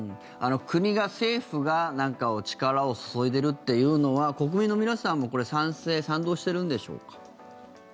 国が、政府が力を注いでるっていうのは国民の皆さんも賛成賛同しているんでしょうか。